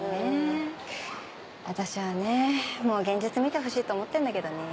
私はねもう現実見てほしいと思ってんだけどね。